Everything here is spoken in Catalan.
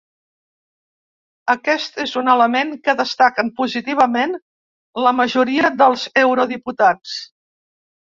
Aquest és un element que destaquen positivament la majoria dels eurodiputats.